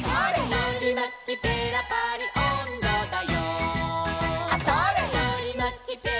「のりまきペラパリおんどだよ」